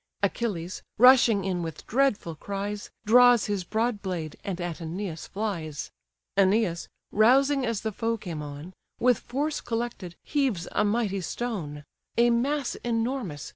Achilles, rushing in with dreadful cries, Draws his broad blade, and at Æneas flies: Æneas rousing as the foe came on, With force collected, heaves a mighty stone: A mass enormous!